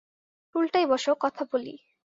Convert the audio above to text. টুলটায় বস, কথা বলি।